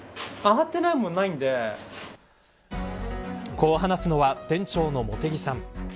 こう話すのは店長の茂木さん。